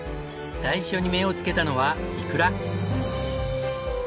最初に目をつけたのはイクラ。